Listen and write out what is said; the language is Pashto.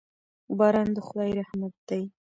باران د خدای رحمت دی.